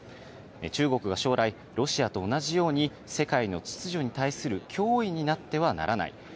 中国が将来、ロシアと同じように世界の秩序に対する脅威になってはならない。